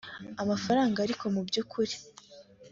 Aya mafaranga ariko mu by’ukuri